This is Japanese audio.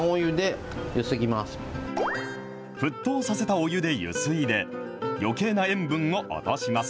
沸騰させたお湯でゆすいで、よけいな塩分を落とします。